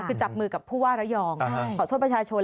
คือจับมือกับผู้ว่าระยองขอโทษประชาชน